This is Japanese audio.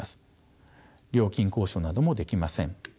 料金交渉などもできません。